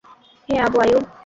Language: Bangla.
হে আবু আইয়ূব!